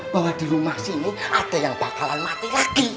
bahwa di rumah sini ada yang bakalan mati lagi